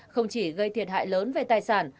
không chỉ gây thiệt hại lớn về tài sản